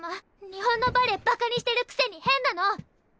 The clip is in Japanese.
日本のバレエバカにしてるくせに変なの！